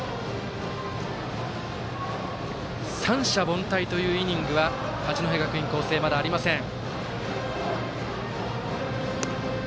三者凡退というイニングは八戸学院光星、まだありません。